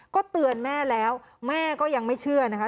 ก็เตือนแม่แล้วแม่ก็ยังไม่เชื่อนะคะ